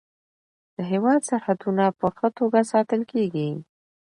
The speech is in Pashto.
د هیواد سرحدونه په ښه توګه ساتل کیږي.